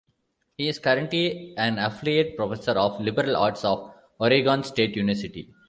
He is currently an Affiliate Professor of Liberal Arts at Oregon State University.